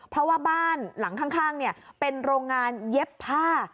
เพราะว่าบ้านหลังข้างเป็นโรงงานเย็บผ้า